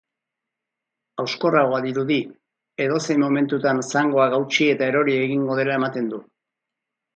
Hauskorragoa dirudi, edozein momentutan zangoak hautsi eta erori egingo dela ematen du.